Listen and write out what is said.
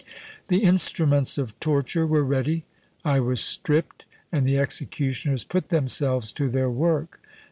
The instruments of torture were ready; I was stripped, and the executioners put themselves to their work.